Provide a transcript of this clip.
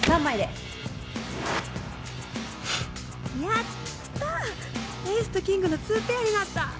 エースとキングの２ペアになった